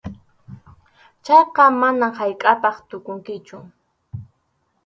Chayqa manam haykʼappas tukunkichu.